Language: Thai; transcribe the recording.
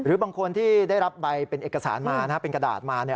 หรือบางคนที่ได้รับใบกระดาษมา